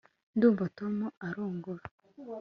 ndumva tom arongora